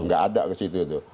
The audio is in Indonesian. nggak ada ke situ tuh